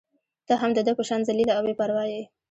ته هم د ده په شان ذلیله او بې پرواه يې.